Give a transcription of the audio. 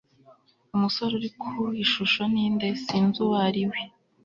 umusore uri ku ishusho ni nde? sinzi uwo ari we